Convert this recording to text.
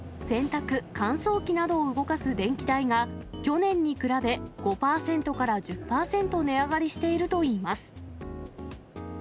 洗濯、乾燥機などを動かす電気代が、去年に比べ５％から１０％値上がりしているといいます。